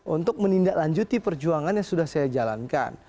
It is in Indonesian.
untuk menindaklanjuti perjuangan yang sudah saya jalankan